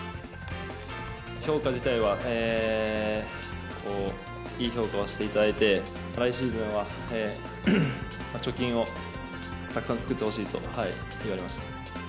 評価自体はいい評価をしていただいて、来シーズンは貯金をたくさん作ってほしいと言われました。